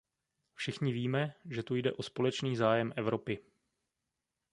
Všichni víme, že tu jde o společný zájem Evropy.